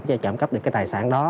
để trảm cấp được cái tài sản đó